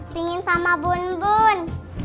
pingin sama bun bun